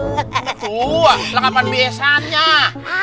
mertua lekapan beesannya